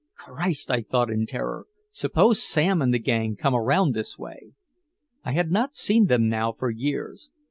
"Christ!" I thought in terror. "Suppose Sam and the gang come around this way!" I had not seen them now for years.